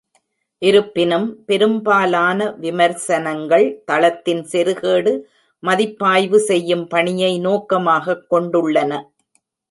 இருப்பினும், பெரும்பாலான விமர்சனங்கள் தளத்தின் செருகேடு மதிப்பாய்வு செய்யும் பாணியை நோக்கமாகக் கொண்டுள்ளன.